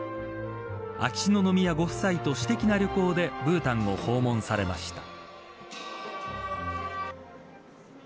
秋篠宮ご夫妻と私的な旅行でブータンを訪問されました。